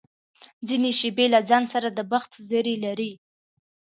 ځینې شېبې له ځان سره د بخت زړي لري.